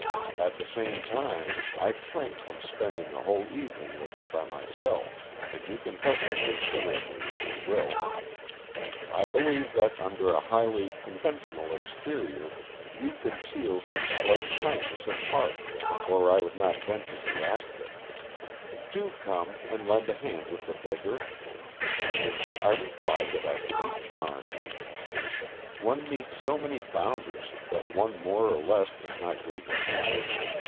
At the same time, I shrink from spending a whole evening with him by my self, and you can help me considerably if you will. I believe that under a highly con ventional exterior you conceal some slight kindness of heart, or I would not venture to 39 40 AN EXCHANGE OF SOULS ask it. Do come and lend a hand with the beggar.'' I replied that I should be charmed. One meets so many bounders that one more or less does not greatly matter.